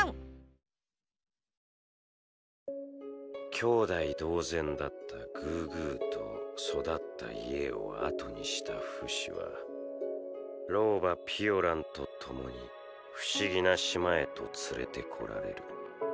兄弟同然だったグーグーと育った家をあとにしたフシは老婆ピオランとともに不思議な島へと連れてこられる。